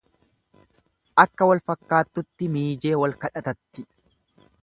Akka walfakkaattutti miijee wal kadhatatti.